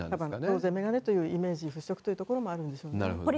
増税メガネのイメージ払拭というところもあるんでしょうね。